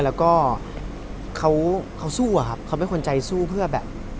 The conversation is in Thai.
แล้วก็เขาสู้อะครับเขาเป็นคนใจสู้เพื่อแบบ